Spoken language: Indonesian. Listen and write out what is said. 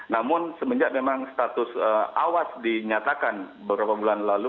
namun semenjak memang status awas dinyatakan beberapa bulan lalu